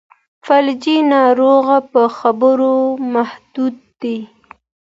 فلجي ناروغ په خبرو محدود دی.